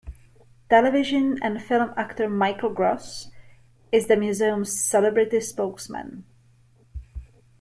Television and film actor Michael Gross is the museum's "celebrity spokesman".